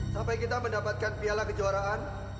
sampai kita mendapatkan piala kejuaraan